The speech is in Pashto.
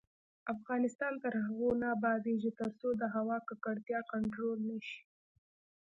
افغانستان تر هغو نه ابادیږي، ترڅو د هوا ککړتیا کنټرول نشي.